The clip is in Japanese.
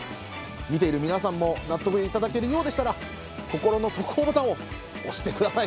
見ている皆さんも納得いただけるようでしたら心の特報ボタンを押してください。